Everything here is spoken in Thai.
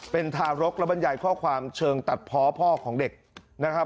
เป็นทารกและบรรยายข้อความเชิงตัดเพาะพ่อของเด็กนะครับ